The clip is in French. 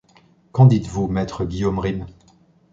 Qu’en dites-vous, maître Guillaume Rym?